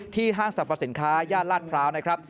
ห้างสรรพสินค้าย่านลาดพร้าวนะครับ